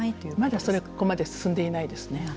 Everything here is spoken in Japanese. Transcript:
まだ、そこまで進んでいないですね。